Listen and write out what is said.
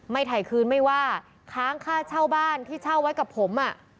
ถ่ายคืนไม่ว่าค้างค่าเช่าบ้านที่เช่าไว้กับผมอ่ะ